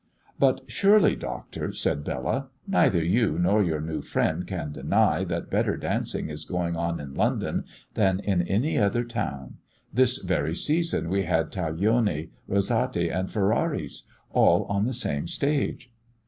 "But surely, Doctor," said Bella, "neither you nor your new friend can deny that better dancing is going on in London than in any other town. This very season we had Taglioni, Rosati, and Feraris, all on the same stage!"